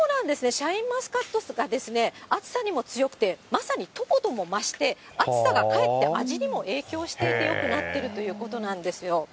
シャインマスカットが暑さにも強くて、まさに糖度も増して、暑さがかえって味にも影響していてよくなっているということなんですよ。